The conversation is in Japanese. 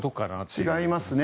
違いますね。